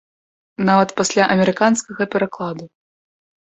Нават пасля амерыканскага перакладу.